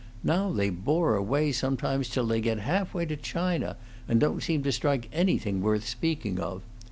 Now they bore away sometimes till they get half way to China, and don't seem to strike anything worth speaking of.